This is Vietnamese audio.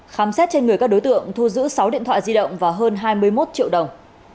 khám xét trên người các đối tượng thu giữ sáu điện thoại di động và hơn hai mươi một triệu đồng